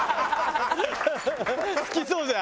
好きそう！